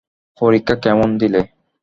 পরীক্ষা কেমন দিলে?